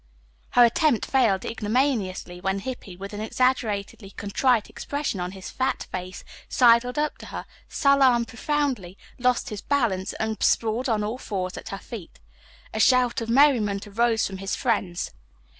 Her attempt failed ignominiously when Hippy, with an exaggeratedly contrite expression on his fat face, sidled up to her, salaamed profoundly, lost his balance and sprawled on all fours at her feet. A shout of merriment arose from his friends.